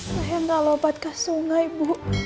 saya gak lompat ke sungai bu